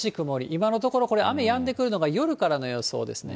今のところ、雨やんでくるのが夜からの予想ですね。